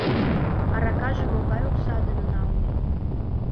Аракаже могай окса дене налме.